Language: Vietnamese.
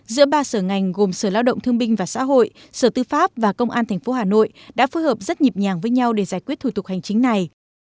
giữa ba sở ngành gồm sở lao động thương binh và xã hội sở tư pháp và công an tp hà nội đã phối hợp rất nhịp nhàng với nhau để giải quyết thủ tục hành chính này